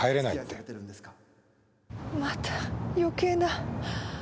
また余計な。